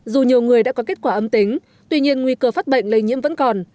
dù nhiều người đã có kết quả âm tính tuy nhiên nguy cơ phát bệnh lây nhiễm vẫn còn